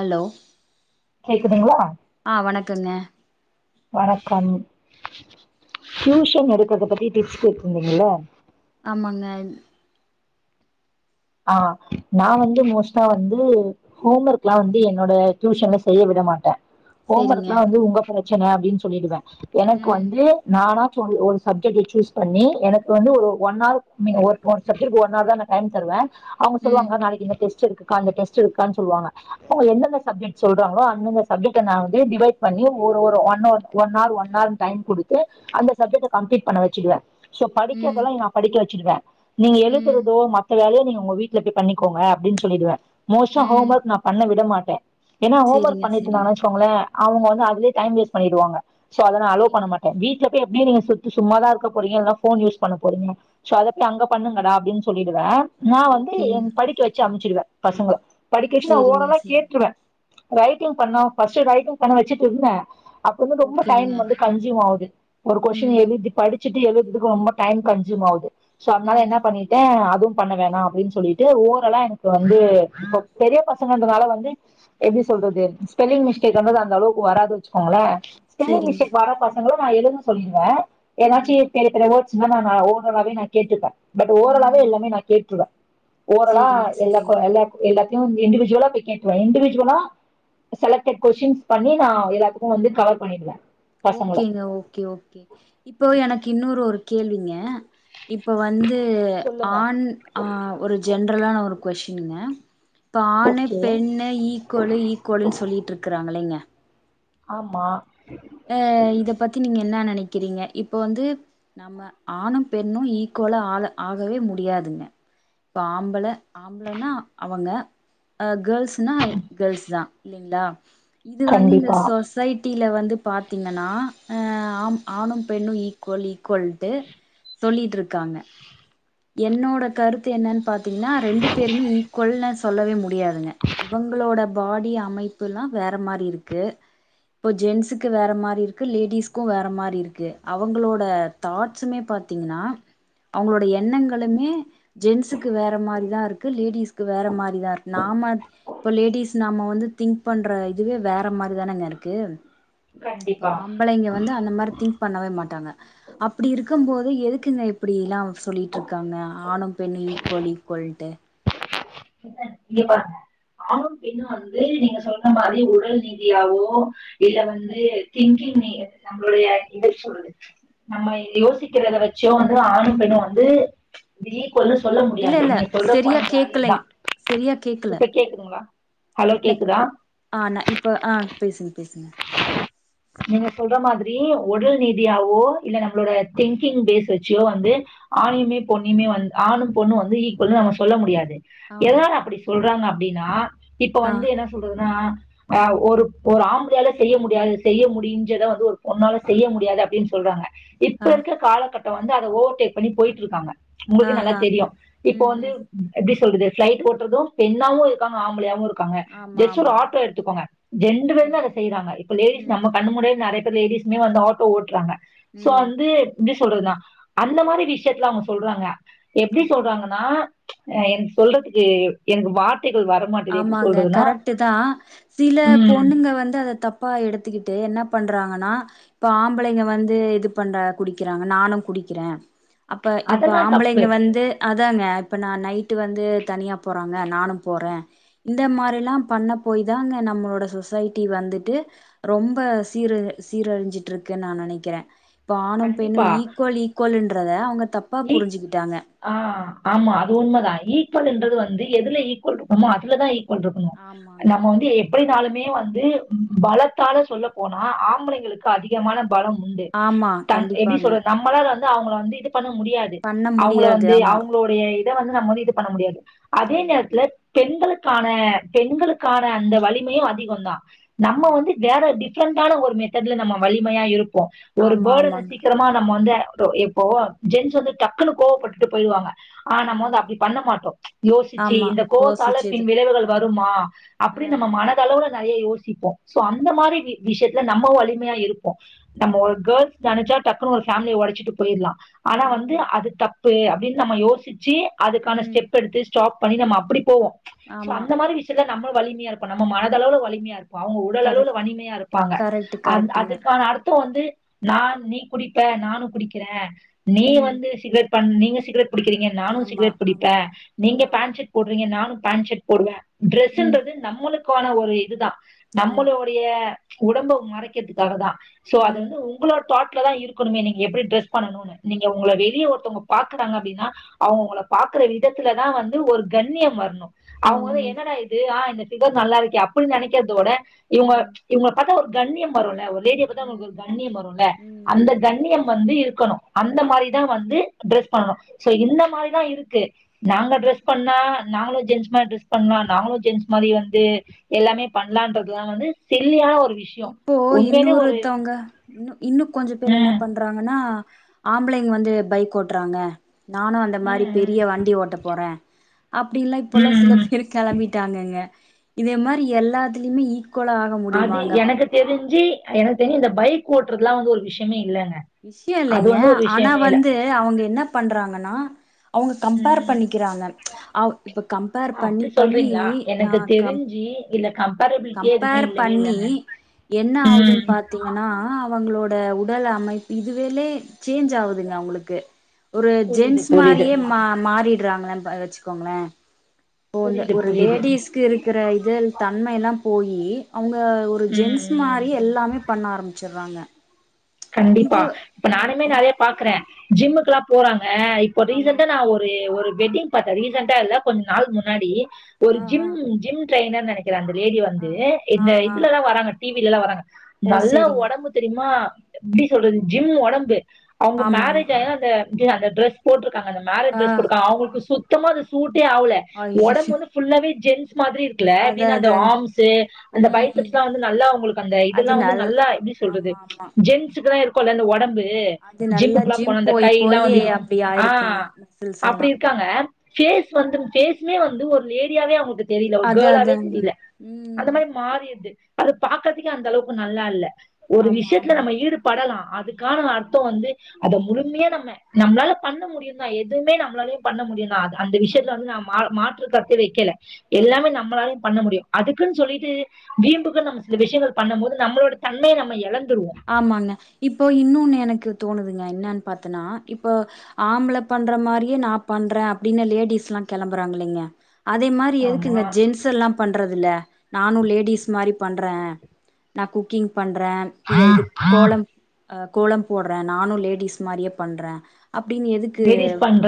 Allow கேக்குதுங்ளா ஆ வணக்கங்க வணக்கம் டியூஷன் எடுக்குறத பத்தி டிப்ஸ் கேட்டுருந்தீங்கள்ள ஆமாங்க ஆ நா வந்து மோஸ்டா வந்து ஹோம் ஒர்க்ல்லா வந்து என்னோட டியூஷன்ல செய்ய விட மாட்ட சேரிங்க ஹோமர்க்ல்லா வந்து உங்க பிரச்சன அப்டின் சொல்லிடுவ எனக்கு ம் வந்து நானாச் ஒரு ஒரு சப்ஜெக்ட் சூஸ் பண்ணி எனக்கு வந்து ஒரு ஒன்னாவ் நிங்க ஒர்க் சப்ஜெட்க்கு ஒன்னார் தா நா டைம் தருவே அவ்ங்க ம் சொல்லுவாங்க நாளைக்கு இந்த டெஸ்ட் இருக்கு அந்த டெஸ்ட் இருக்கா சொல்வாங்க அவ்ங்க எந்தெந்த சப்ஜெக்ட் சொல்றாங்ளோ அந்தந்த சப்ஜெக்ட நா வந்து டிவைட் டு பண்ணி ஒரு ஒரு ஒன்னொ ஒன்னார் ஒன்னார் டைம் குடுத்து அந்த சப்ஜெக்ட கம்ப்ளீட் பண்ண வெச்சிடுவே சோ ம் படிக்கர்தெல்லா இங் நா படிக்க வச்சிருவே நீங்க ம் எழுதுறதோ மத்த வேலய நீங்க உங்க வீட்ல பொய் பண்ணிக்கோங்க அப்டின் சொல்லிட்வே மோஸ்டா ம் ஹோம் ஒர்க் நா பண்ண விட மாட்டே என்னா ஹோம் ஒர்க் சேரிங்க சேரிங்க பண்ணிட்டுந்தங்க வெச்கோங்ளே அவுங்க வந்து அதுலயே டைம் வேஸ்ட் பண்ணிடுவாங்க சோ அத நா அலோ ஓகேங்க பண்ண மாட் ட வீட்ல பொய் எப்டியு நீங்க சொலிடு சும்மாதா இருக்க போறீங்க இல்னா போன் யூஸ் பண்ண போறீங்க சோ அதபொய் அங்க பண்ணுங்கட அப்டின் சொல்லிடுவே நா வந்து ஓகேங்க என் படிக்க வெச்சு அம்ச்சிருவே பசங்ள படிக்க வெச்டு நா சேரிங்க ஓரளா சேரிங்க கேட்ருவே ரைட்டிங் பண்ணா ஃபஸ்ட் ரைட்டிங் பண்ண வெச்சிட் இர்ந்தே அப்பவந்து ரொம்ப டைம் ஓகேங்க வந்து கன்சியூம் ஆவ்து ஒரு கொஷ்டின் ம் எழுதி படி சிட்டு எழுதுக்கு ரொம்ப டைம் கன்சூம் ஆவ்து சோ அதுனால ம் என்ன பண்ணிட்டே அதுவ் பண்ண வேணா அப்டின் சொல்லிட்டு ஓரல்லா எனக்கு வந்து இப்போ பெரிய பசங்கன்றதுனால வந்து எப்டி சொல்றது ஸ்பெல்லிங் மிஸ்டேக் அந்தது அந்தளவுக்கு வராது வச்சுக்கோங்களே ஸ்பெல்லிங் சேரிங்க மிஸ்டேக் வர பசங்கள நா எழுது சொல்லிருவே ம் ஏதாச்சி எனக்கு எனவோ வோட்ஸ்சன்னா நா ஓரளாவே நா கேட்டுருப்பே பட் ஓரளாவே ம் எல்லாமே நா கேட்டுர்வே ஓரலா சேரிங்க சேரிங்க எல்லார்க்கு எல்லாக் எல்லாத்தியு இண்டிவிஜுவலா பொய் கேட்டுவே இண்டிவிஜுவலா செலக்டட் கொஷிடின்ஸ் பண்ணி நா எல்லாத்துக்கு வந்து கவர் பண்ணிடுவே ஓகேங்க ஓகே ஓகே இப்போ எனக்கு இன்னொரு ஒரு கேள்விங்க இப்போ வந்து சொல்லுங்க ஆண் ஆ ஒரு ஜென்ரலான ஒரு கொஷிடின்ங்க இப்ப ஆணு ஓகே பெண்ணு ஈக்குவலு ஈக்குவலுன்னு சொல்லிகிட்டு இருக்குறாங்களேங்க ஆமா ஏ இத பத்தி நீங்க என்ன நினைக்கிறீங்க இப்ப வந்து நம்ம ஆணு பெண்ணு ஈக்குவலா ஆ ஆகவே முடியாதுங்க இப்ப ஆம்பள ஆம்பளன்னா அவுங்க கேள்ஸ் னா கேள்ஸ் தா இல்லைங்களா இது வந்து இந்த கண்டிப்பா சொசைட்டில வந்து பாத்தீங்கன்னா ஆ ஆம் ஆணு பெண்ணு ஈக்குவல் ஈக்குவல்ட்டு சொல்லிட்டு இருக்காங்க என்னோட கருத்து என்னன்னு பாத்தீங்கன்னா ரெண்டு பேருமே ஈக் கோள்ள சொல்லவே முடியாதுங்க இவங்களோட பாடி அமைப்புல்லா வேற மாரி இருக்கு இப்போ ஜென்ஸ்க்கு வேறு மாரி இருக்குது லேடீஸ்க்கு வேற மாரி இருக்குது அவங்களோட தாட்ஸுமே பாத்தீங்கன்னா அவுங்களுடைய எண்ணங்களுமே ஜென்ஸ்க்கு வேற மாரி தா இருக்கு லேடிஸ்க்கு வேற மாரி தா இருக்கு நாம இப்போ லேடிஸ் நாம வந்து திங்க் பண்ற இதுவே வேற மாரிதானங்க இருக்கு ஆம் கண்டிப்பா பொம்பளைங்க வந்து அந்த மாரி திங் பண்ணவே மாட்டாங்க அப்டி இருக்கு போது எதுக்குங்க இப்டில்லா சொல்லிட்டு இருக்காங்க ஆணு பெண்ணு ஈக்குவோல் ஈக்குவோல்ட்டு இங்க பாருங்க ஆணு பெண்ணு வந்து நீங்க சொல்ற மாரி உடல் நீதியாவோ இதுல வந்து திங்கிங் நம்மளோடய இத சொல்லுது நம்ம யோசிக்கறத வெச்சோ வந்து ஆணு பெண்ணு வந்து வீ ஒன்னோ சொல்ல முடியாது நீங்க சொல்ற பாயின்டு வேலிட்தா சரியா இப்ப கேக்குதுங்களா ஹலோ கேக்குதா ஆ நா இப்ப ஆ பேசுங்க பேசுங்க நீங்க சொல்ற மாதிரி உடல் ரிதியாவோ இல்ல நம்மளோட திங்கிங் பேஸ் வெச்சியோ வந்து ஆயுமே பொண்ணியுமே வந்து ஆணு பொண்ணோ வந்து ஈக்குவல் நம்ம சொல்ல முடியாது ஆமா எதனால அப்டி சொல்றாங்க அப்டீன்னா இப்ப ஆ வந்து என்ன சொ ல்றதுன்னா ஒரு ஒரு ஆம்ப ளயால செய்ய முடியாது செய்ய முடியஞ்சத வந்து ஒரு பொண்ணால செய்ய முடியாது அப்டீன்னு சொல்றாங்க இப்ப ஆ இருக்குற காலகட்டோ வந்து அத ஓவர்டேக் பண்ணி போயிட்ருக்காங்க ஆ உங்குளுக்கே நல்லா ஆ தெரியு இப்போ ம் வந்து ம் எப்டி சொல்றது ஃபிளைட் ஓட்டுறதும் பெண்ணாவு இருக்காங்க ஆம்பளயாவு இருக் க்காங்க ஆமா ஜெஸ்ட்டு ஒரு ஆமாங்க ஆட்டோ எடுத்துக்கோங்க ரெண்டு பேருமே ம் அத செய்யறாங்க இப்ப லேடிஸ் ம் நமக் கண்ணு முன்னாடிய நறைய பேரு லேடிஸ்மே வந்து ஆட்டோ ஓட்றாங்க சோ ம் வந்து எப்டி சொல்றது நா அந்த மாரி விஷயத்துல அவுங்க சொல்றாங்க எப்டி ஆமா சொல்றாங்க னா எனக்கு சொல்றதுக்கு எனக்கு வார்த்தைகள் வர ஆமாங்க கரெக்ட்டுதா சில ம் பொண்ணுங்க வந்து அத தப் பா எடுத்துக்கிட்டு என்ன பண்றாங்கன்னா இப்ப ஆம்பளைங்க வந்து இது பண்ற குடிக்கிறாங்க நானு குடிக்கிறே அப்ப இப்ப அதெல்லாம் தப்பு. ஆம்பளைங்க வந்து அதாங்க இப்ப நா நைட்டு வந்து தனியா போறாங்க நானு போறே இந்த மாரிலா பண்ண போய் தாங்க நம்மளோட சொசைட்டி வந்துட்டு ரொம்ப சீர சீரழிஞ்சிட்டு இருக்குன்னு நா நெனைக்கிறே ஆணு பெண்ணோ கண்டிப்பா. ஈக்குவல் ஈக்குவலுன்றத அவுங்க தப்பா ஈ புரிஞ்சுக்கிட்டாங்க ஆ ஆமா அது உண்மதா ஈக்குவல்ன்றது வந்து எதுல ஈக்குவல் இருக்குமோ அதுலதா ஈக் வல் இருக்கணோ ஆமாங்க. நம்ம வந்து எ எப்டினாலுமே வந்து பலத்தால சொல்ல போனா ஆம்பளைங்களுக்கு அதிகமான பலம் உண்டு ஆமா, த எப்டி கண்டிப்பாங்க. சொல்றது நம்மளால வந்து அவங்கள வந்து இது பண்ண முடியாது பண்ண அவங்கள முடியாது வந்து ஆமா. அவங்களோடைய இதை வந்து நம்ம வந்து இது பண்ண முடியாது அதே ஆமா. நேரத்துல பெண்களுக்கான பெண்களுக்கான அந்த வலிமையு அதிகோந்தா நம்ம ஆமா வந்து வேற டி ஃப்ரெண்டான ஒரு மெத்தேட்ல நம்ம வலிமையா இருப்போ ஒரு ஆமா பேர்டன ஆமாங்க சீக்கிரமா நம்ம வந்து ஒரு இப்போ ஜென்ஸ் வந்து டக்குனு கோவப்பட்டுட்டு போய்டுவாங்க ஆ நம்ம வந்து அப்டி பண்ண மாட்டோ யோசிச்சு ஆமா இந்த கோவ்த்தால யோசிச்சது பின் விளைவுகள் வருமா ஆ அப்டி நம்ம மனதளவுல நறைய யோசிப்போ சோ அந்த மாரி வி விஷ்யத்ல நம்முவ் வலிமையா இருப்போ நம்ம ஆமா ஒரு கேர்ள்ஸ் நெனைச்சா டக்குனு ஒரு ஃபேம்லிய ஒடச்சிட்டு போய்ர்லா ஆனா வந்து ம் அது தப் பு அப்டீ நம்ம யோசிச்சு அதுக்கான ம் ஸ்டெப் எடுத்து ஸ்டாப் பண்ணி நம்ம அப்டி போவோ சோ ஆமா அந்த மாரி விஷ்யத்துல நம்மளு வலிமியா இருப்போ நம்ம மனதளவுல வலிமியா இருப் போ அவுங்க உடல் அளவுல கரெக்ட் வனிமயா இருப்பாங்க கரெக்ட் அந் கரெக்ட்டுங்க அதுக்கான அர்த்தோ வந்து நா நீ குடிப்ப நானு குடிக்கிறே நீ ம் வந்து சிகர்ட் பண்ணி நீங்க சிகரெட் புடிக்றீங்க நானு ஆமா சிகரெட் பிடிப்பே ஆமா நீங்க ஆமா பேண்ட் ஷர்ட் போட்றீங்க நானு பேண்ட் ஷர்ட் போடுவே ம் ட்ரெஸ்ன்றது நம்முளுக்கான ஒரு இதுதா ஆமா நம்மளோ டைய உடம்ப மறைக்கிற்துக்காக தா சோ அது ம் வந்து உங்களோட் தாட்ல தா இருக்கனுமே நீங்க எப்டி ட்ரெஸ் பண்ணணோனு நீங்க உங்ள வெளிய ஒருத்தவுங்க பாக்குறாங்க அப்டீன்னா அவுங்க உங்கள பாக்ற விதத்துலதா வந்து ஒரு கண்ணியம் வர்ணோ அவுங்க ம் என்னடா இது ஆ இந்த ஃபிகர் நல்லாருக்கே அப்பிடி நெனைக்கற்தோட ம் இவங்க ம் இவங்ள பாத்தா ஒரு கண்ணியம் வருல்ல ஒரு லேடிய பாத்தா உங்களுக் ம் ஒரு கண்ணியம் வருல்ல ம் அந்த ம் ம் கண்ணியம் வந்து இருக்கணு அந்த மாரிதா வந்து ட்ரெஸ் பண்ணனு சோ இந்த மாரி தா இருக்கு நாங்க ட்ரெஸ் பண்ணா நாங்ளு ஜென்ஸ் மார் ட்ரெஸ் பண்லா நாங்ளு ஜென்ஸ் மாரி வந்து எல்லாமே பண்லான்றதுலா வந்து சில்லியான ஒரு விஷ் இப்போ இன்னோருத்தவ்ங்க இன்னு இன்னு கொஞ்ச பேர் என்ன ம் பண் றாங்கன்னா ஆம்பளைங் வந்து பைக் ஓட்றாங்க நானு அந்த மாரி ம் ம் பெரிய வண்டி ஓட்ட போறே அப்டில்லா இப்போல்லா ம் சில ம் பேரு கெளம்பிட்டாங்கங்க இதே மாரி எல்லாத்லிமே ஈக்கோலா அது எனக்கு தெரிஞ்சி எனக் தெர்ஞ்சு இந்த பைக் ஓட்றதுலா வந்து ஒரு விஷ்யமே இல்லங்க விஷ்யோ அது இல்லைங்க வந்து ஒரு ஆனா விஷயமே இல்ல வந்து அவுங்க என்ன பண்றாங்கன்னா அவ்ங்க கம்ப்பேர் ம் பண்ணிக்கிறாங்க அவ் இப்போ கம்ப்பேர் பண்ணி பண்ணி அ கம் ஞ்சி இல்ல கம்ப்பேரபிள் கம்ப்பேர் பண்ணி என்ன ஆவுதுன் ம் பாத் தீங்கன்னா அவங்ளோட உடல் அமைப் இதுவேல சேஞ்ச் ஆவ் துங்க அவ்ங்ளுக்கு ஒரு புரியுது ஜென்ஸ் புரியுது மாரியே மா மாறிட்றாங்களே ப வெச்சுக்கோங்ளே இப்போ வந்து புரியுது ஒரு புரியுது லேடிஸ்க்கு இருக்கற இது தன்மையெல்லா போயி அவ்ங்க ஒரு ம் ஜென்ஸ் ம் மாரியே எல்லாமே பண்ண ஆரம்பிச்சர்றாங்க கண்டிப்பா இப்ப நானுமே நெறைய பாக்கறே ஜிம்முக்குல்லா போறாங்க இப் போ ஆமா ரீசண்ட்டா நா ஒரு ஒரு வெட்டிங் பாத்தே ரீசெண்ட்டா இல்ல கொஞ் நாள்க் முன்னாடி ஒரு ஆ ஆ ஜிம் ஜிம் ட்ரெய்னர் நெனைக்கறே அந்த லேடி ஆ வந்து ஆ இந்த ஆ இதுலல்லா வராங்க டி வி லெல்லா வராங்க ஓ நல்ல செரிங்க ஒடம்பு தெரிய்மா எப்டி சொல்றது ஜிம் ஒடம்பு அவ்ங்க ஆமா மேரேஜ் ஆமா ஆகைல அந்த ட்ர அந்த ட்ரஸ் போட்ருக்காங்க அந்த மேரேஜ் ஆ ட்ரஸ் போட்ருக்காங்க அவுங்ள்க்கு சுத் தமா அது சூட்டே ஆவ்ல ஒடம்பு ஐயயோ வந்து ஃபுல்லாவே ஜென்ஸ் மாதிரி இருக்குல்ல அத எப்டினா அந்த அதாங்க ஆம்ஸ்சு அந்த ம் ம் பைசெப்ஸ்லா வந்து நல்லா அவங்களுக்கு அந்த அது இதெல்லா வந்து நல் நல்லா எப்டி சொல்றது ஆமா ஆமா ஜென்ஸுக்கெலா இருக்குல்ல அந்த ஒடம்பு அது நல்லா ஜிம்முக்குலா ஜிம் போனா அந்த போய் கைலா போய் வந்து இது பா அப்டி ஆ ஆயிருக்குங்க மசில்ஸ் எல்லா அப்டி ம் இர்க்காங்க ஃபேஸ் வந்தும் ஃபேஸ்மே வந்து ஒரு லேடியாவே அவுங்கள்க்கு தெரில ஒரு அது கேளாவே அதாங்க தெரில அந்த ம் மாரி மாறிர்து அது பாக்கற்துக்கே அந்தளவுக்கு நல்லால்ல ஒரு ஆமா விஷ்யத் ஆமாங்க ஈடுபடலா அதுக்கான அர்த்தோ வந்து அத முழுமையா நம்ம நம்ளால பண்ண முடியுந்தா எதுமே நம்ளாலயு பண்ண முடியுந்தா அத அந்த விஷ்யத்ல ஆமா வந்து நா மா மாற்றுக்கர்த்தே வெக்கல ஆமா எல்லாமே நம்ளாலயு பண்ண முடியு அதுக்குன் சொல்லீட்டு வீம்புக்குன் நம்ம சில விஷ்யங்கள் பண்ணும்போது நம்ளோட தன்மைய நம்ம எழந்துருவோ ஆமாங்க இப்போ இன்னோன்னு எனக்கு தோணுதுங்க என்னன் பாத்தனா இப்ப ஆம்பள பண்ற மாரியே நா பண்றே அப்டினு லேடிஸ்லா கெளம்பறாங்கில்லைங்க அதே மாரி எதுக்கு இந்த ஆமா ஜென்ஸ் செல்லா பண்றதில்ல நானு லேடிஸ் மாரி பண்றே நா குக்கிங் பண்றே இந்த இது கோலம் அ கோலம் போட்றே நானு லேடிஸ் மாரியே பண்றே அப்டினு எது லேடிஸ் பண்ற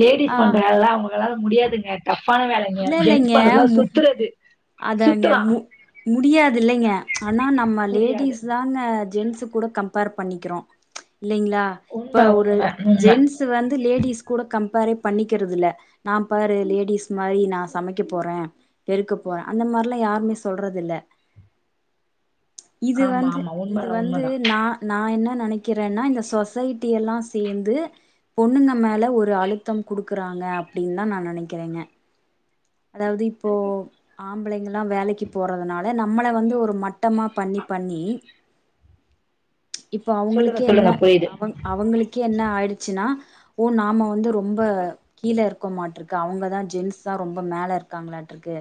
லேடிஸ் பண்ற வேல்லா அவுங்களால முடியாதுங்க டஃப்ஃபான வேலை ங்க இல்ல ஜென்ஸ் இல்லைங்க பண்றதுலா மு சுத்துறது அதாங்க சுத்தலா மு முடியாதில்லைங்க ஆனா நம்ம முடியாது லேடிஸ் தா ங்க ஜென்ஸு கூட கம்பேர் பண்ணிக்கிறோ இல்லைங்களா இப்ப உண்ம ஒரு உண்ம உண்ம ஜென் ஸு வந்து லேடிஸ் கூட கம்ப்பேரே பண்ணிக்கிறதில்ல நா பாரு லேடிஸ் மாரி நா சமைக்க போறே பெருக்க போறே அந்த மார்லா யாருமே சொல்றதில்ல இது ஆமா வந்து ஆமா இது உண்மதா வந்து உண்மதா நா நா என்ன நெனைக்கிறேனா இந்த சொசைட்டியெல்லா சேந்து பொண்ணுங்க மேல ஒரு அழுத்தம் குடுக்குறாங்க அப்டின்னு தா நா நெனைக்கிறேங்க அதாவது இப்போ ஆம்பளைங்க எலா வேலைக்கு போறதுனால நம்மள வந்து ஒரு மட் மட்டமா பண்ணி பண்ணி இப்போ சொல்லுங்க அவுங்களுக்கே என்ன சொல்லுங்க புரியுது அவங் அவுங்களுக்கே என்ன ஆயிடுச்சினா ஓ நாம வந்து ரொம்ப கீழே இருக்க மாற்றுக்கு அவுங்கதா ஜென்ஸ் தா ரொம்ப மேல இருக்காங்களாட்ருக்கு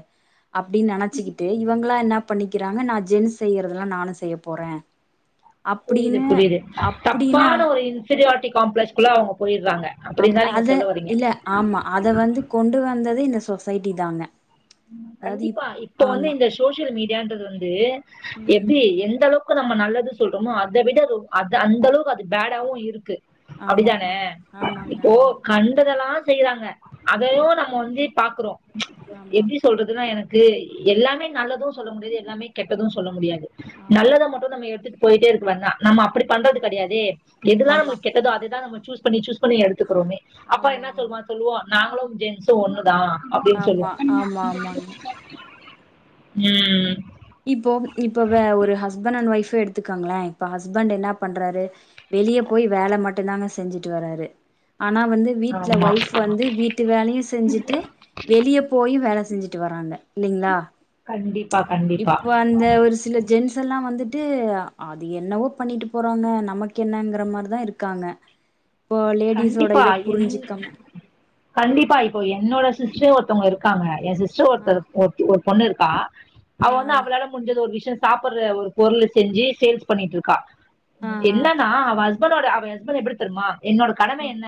அப்டின்னு நெனைச்சிக்கிட்டு இவுங்களா என்னா பண்ணிக்கிறாங்க நா ஜென்ஸ் செய்யறதெல்லா நானு செய்ய போறே அப்டின்னு அப்டின்னா தப்பான ஒரு இன் ஸ்பிரியாரிட்டி காம்ப்ளக்ஸ்குள்ள அவுங்க போயிறாங்க அம் அப்டின்னு தா நீங்க அத சொல்ல வரீங்க இல்ல ஆமா அத வந்து கொண்டு வந்ததே இந்த சொசைட்டி தாங்க அதாவது இப் கண்டிப்பா இப்ப வந்து ஆமா இந்த சோசியல் மீடியன்றது வந்து ம் எப்டி எந்த அளவுக் கு நம்ம நல்லது சொல்றோமோ அத விட ரொம் அத அந்த அளவுக்கு அது பேடாவு இருக்கு ஆமா ஆமா ஆமாங்க இப்போ ஆமா கண்டதெல்லா செய்றாங்க அதையு நம்ம வந்து பாக்குறோ ஆமா எப்டி சொல்றதுனா எனக்கு எல்லாமே நல்லது சொல்ல முடியாது எல்லாமே கெட்டது சொல்ல முடியாது நல்லத மட்டு நம்ம எடுத்துட் போயிட்டே இருக்க [unintelligible] நம்ம அப்டி பண்றது கெடையாதே எதுதா ஆமா ஆமா நமக் கெட்டதோ அததா நம்ம சூஸ் பண்ணி சூஸ் பண்ணி எடுத்துக்கறோமே அப்ப ஆமா என்ன சொல்வா ஆமா சொல்வோ சொல்லுவோ நாங்களு ஜென்ஸ்ம் ஒண்ணுதா ஆமா ஆமா ஆமாங் ம் இப்போ இப்ப வே ஒரு ஹஸ்பண்ட் அண்ட் ஒயஃப் எடுத்துக்கோங்களே இப்ப ஹஸ்பண்ட் என்ன பண்றாரு வெளிய போய் வேலை மட்டும்தாங்க செஞ்சிட்டு வராரு ஆனா வந்து வீட்டுல ஆமா ஒய்ஃப் வந்து வீட் விட்டு வேலையு செஞ்சிட்டு வெளியே போயு வேல செஞ்சிட்டு வராங்க இல்லலீங்களா கண்டிப்பா கண்டிப்பா அந்த ஒரு சில ஜென்ஸ்லாம் வந்துட்டு அது என்னவோ பண்ணிட்டு போறாங்க நமக்கு என்னங்கிற மாரி தா இருக்காங்க இப்போ லேடிஸோட கண்டிப்பா இத என் புரிஞ்சுக்காம கண்டிப்பா இப்போ என்னோட சிஸ்டர் ஒருத்தவங்க இருக்காங்க எ சிஸ்டர் ஆ ஒருத்தர் ஒருத்தி ஒரு பொண்ணு இருக்கா அவ வந்து அவளால முடிஞ்சது ஒரு விஷயம் சாப்படுற ஒரு பொருள செஞ்சி சேல்ஸ் பண்ணிட்டு இருக்கா ஆஹா என்னன்னா அவள் ஹஸ்பண்டோட அவ ஹஸ்பண்ட் எப்படி தெர்மா என்னோட கடம என்ன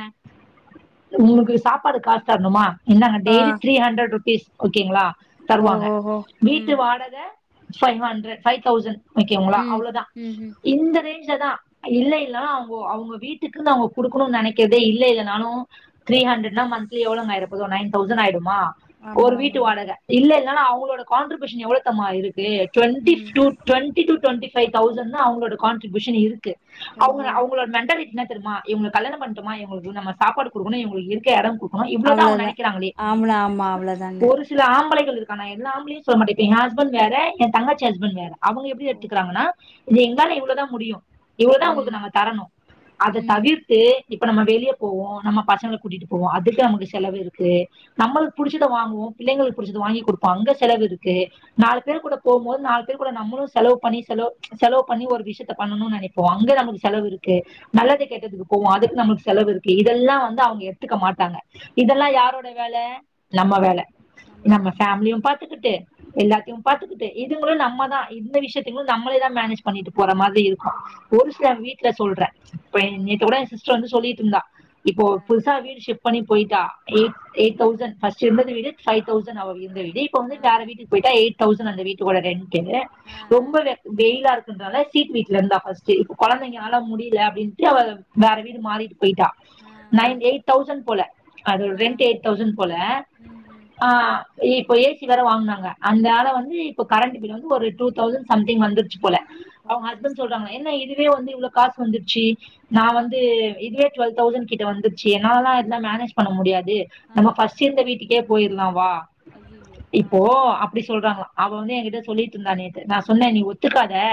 உங்ளுக்கு சாப்பாடு காசு தரணுமா இந்தாங்க ஆ டெய்லி த்ரீ ஹண்டரட் ருபீஸ் ஓகேங்களா தருவாங்க ஓஹோஹோ வீட்டு ம் வாடக பைவ் ஹண்ட்ரட் ஃபபைவ் தௌசண்ட் ஓகேங்களா ம் அவ்ளோதா ம்ஹும் இந்த ரேஞ்ச்ல தா இல்லைன்னா அவுங் அவுங்க வீட்டுக்குன்னு அவுங் குடுக்ணுனு நெனைக்கிறதே இல்ல இல்ல நானு த்ரீஹண்டரட்னா மந்த்தலி எவ்ளோங்க ஆயிற போவுது நைன் தௌசண்ட் ஆயிடுமா ஆமா ஒரு வீட்டு ஆமாங்க வாடக இல்லன்னா அவங்களோட கான்ட்ரிபியூஷன் எவ்ளவுத்தெர்மா ஆயிருக்கு டுவெண்டி ம் two twenty to twenty five thousand தா அவுங்ளோட கான்ட்ரிபியூஷன் இருக்கு அவங்க ஓஹோ அவங்களோட மென்டலி என்னனு தெர்மா இவுங்கல கல்யாண பண்டோமா இவுங்ளுக்கு நம்ம சாப்பாடு குடுக்குணு இவுங்ளுக்கு இருக்க இடம் குடு க்குனு இவ்ளோதா அவுங்க அவ்ளோதா நெனைக்கிறாங்களே ஆம்ள ஆமா அவ்ளோதாங்க ஒரு சில ஆம்பளைகள் இருக்கா நா எல்லா ஆம்பலையு சொல்ல மாட்டே ஏ ஹஸ்பண்ட் வேற எ தங்கச்சி ஹஸ்பண்ட் வேற அவங்க எப்டி ஓ எடுத்துக்கிறாங்கனா இது எங்கால இவ்வளதா முடியு இவ்வளதா உங்ளுக்கு ம் நம்ம தரணு அத ம் தீர்த்தே இப்ப நம்ம வெளியே போவோ நம்ம பசங்கள கூட்டிட்டு போவோ அதுக்கு நமக்கு செலவு இருக்கு நம்மளுக்கு புடிச்சத வாங்குவோ பிள்ளைங்களுக்கு புடிச்சத வாங்கி கொடுப்போ அங்க செலவு இருக்கு நாலு பேர் கூட போபோது நாலு பேர் கூட நம்மளு செலவு பண்ணி செலவு செலவு பண்ணி ஒரு விஷயத்த பண்ணணுனு நினைப்போ அங்க நம்மளுக்கு செலவு இருக்கு ஓ நல்லது கெட்டதுக்கு போவோ அதுக்கு நமளுக்கு செலவு இருக்கு இதெல்லா வந்து அவங்க எடுத்துக்க மாட்டாங்க இதெல்லா ஆமா யாரோட வேல நம்ம வேல நம்ம ஃபேமிலியு பாத்துக்கிட்டு எல்லாத்தையு பாத்துக்கிட்டு இதுங்களு நம்மதா இந்த விஷயத்தங்களு நம்மளே தா மேனேஜ் பண்ணிட்டு போற மாரி இருக்கு ஆமா ஒரு ஆமாங்க சில வீட்டுல சொல்றே இப்ப ஆமா நேத்துகூட என் சிஸ்டர் வந்து சொல்லிட்டு இருந்தா இப்போ ஆ புதுசா வீடு ஷிபிட் பண்ணி போயிட்டா எய் ஆ எய்ட் தவுசண்ட் ச இருந்தது வீடு பைவ் தௌசண்ட் அவ இருந்த வீடு இப்ப வந்து ஆ வேற வீட்டுக்கு போயிட்டா எய் தௌசண்ட் வீட்டு ஓட ரெண்ட்டு ஆ ஆ ரொம்ப வெக் வெயிலா இருக்குன்றால சீட்டு வீட்டுல இருந்தா ஃபர்ஸ்ட் இப் கொழந்தைங்கனால முடியல அப்படின் ட்டு அவ வேற வீடு மாறிட்டு போயிட்டா ஆ ஆ நைன் எயிட் தௌசண்ட் போல அதோட ஆ ரெண்ட் எயிட் தௌசண்ட் போல ம் ம் ஆ இப்போ ஏசி வேற வாங்குனாங்க அதால வந்து இப்ப கரண்ட் பில்லு வந்து ஒரு டூ தௌசண்ட் சம்திங் வந்துருச்சு போல ஓ அவங்க செரி ஹஸ்பண்ட் சொல்றாங்க செரிங்க என்ன இதுவே வந்து இவ்ளோ காசு வந்துருச்சு நா ஆ வந்து இதுவே டுவல் தௌசண்ட் கிட்ட வந்துரிச்சு என்ன ல இதுலா மேனேஜ் பண்ண முடியாது ஆ நம்ப ஆ ஃபர்ஸ்ட் இருந்த வீட்டுக் கே போயிரலா வா ஐயையோ ஆ இப்போ அப்டி சொல்றாங்களா அவ வந்து எகிட்ட சொல்லிட்டு இருந்தா நேத்து நா சொன்னே நீ ஒத்துக்காத